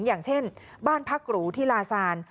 อย่างเช่นบ้านพักหรูที่ลาซาน